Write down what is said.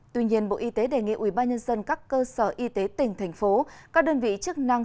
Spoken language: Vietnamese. tuy nhiên bộ y tế đề nghị ubnd các cơ sở y tế tỉnh thành phố các đơn vị chức năng